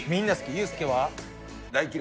ユースケは？